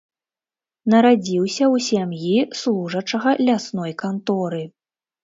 Нарадзіўся ў сям'і служачага лясной канторы.